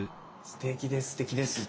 すてきです。